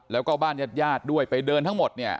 แล้วก็บ้านญาติญาติด้วยไปเดินทั้งหมดเนี่ย